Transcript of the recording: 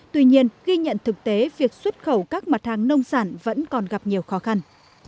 tuy nhiên ghi nhận thực tế việc xuất khẩu các mặt hàng nông sản vẫn còn gặp nhiều khó khăn